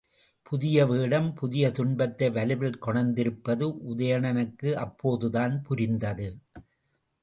புதிய வேடம், புதிய துன்பத்தை வலுவில் கொணர்ந்திருப்பது உதயணனுக்கு அப்போதுதான் புரிந்தது.